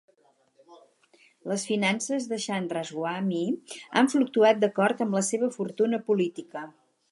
Les finances de Chandraswami han fluctuat d'acord amb la seva fortuna política.